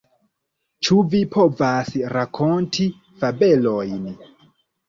Ĉu vi povas rakonti fabelojn?